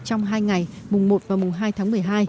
trong hai ngày mùng một và mùng hai tháng một mươi hai